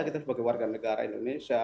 kita sebagai warga negara indonesia